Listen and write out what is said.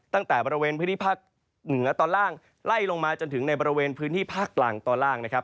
ตั้งแต่บริเวณพื้นที่ภาคเหนือตอนล่างไล่ลงมาจนถึงในบริเวณพื้นที่ภาคล่างตอนล่างนะครับ